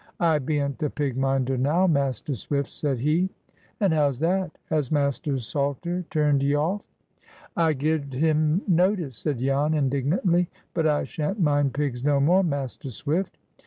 "I bean't a pig minder now, Master Swift," said he. "And how's that? Has Master Salter turned ye off?" "I gi'ed him notice!" said Jan, indignantly. "But I shan't mind pigs no more, Master Swift."